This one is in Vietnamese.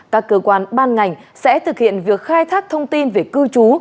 các cơ quan ban ngành sẽ thực hiện việc khai thác thông tin về cư trú